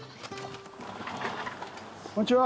こんにちは。